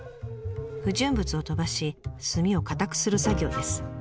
不純物を飛ばし炭を硬くする作業です。